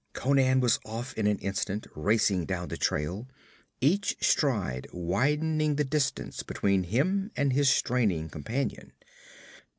Conan was off in an instant, racing down the trail, each stride widening the distance between him and his straining companion.